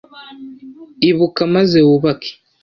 Ibuka, maze wubake.